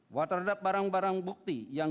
bahwa terhadap barang barang bukti yang